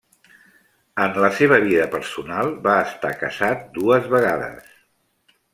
En la seva vida personal va estar casat dues vegades.